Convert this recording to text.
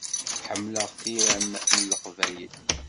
Ḥemmleɣ tiram n Leqbayel.